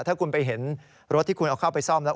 ถ้าคุณไปเห็นรถที่คุณเอาเข้าไปซ่อมแล้ว